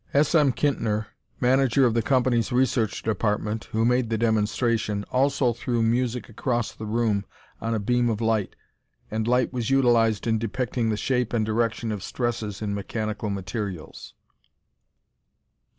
S. M. Kintner, manager of the company's research department, who made the demonstration, also threw music across the room on a beam of light, and light was utilized in depicting the shape and direction of stresses in mechanical materials.